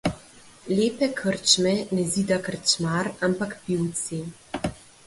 Lepe krčme ne zida krčmar, ampak pivci.